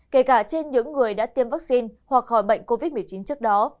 kể cả trên những người đã tiêm vaccine hoặc khỏi bệnh covid một mươi chín trước đó